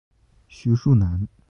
徐树楠。